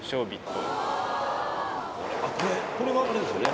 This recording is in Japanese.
これはあれですよね？